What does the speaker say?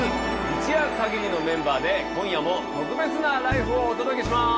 一夜限りのメンバーで今夜も特別な「ＬＩＦＥ！」をお届けします。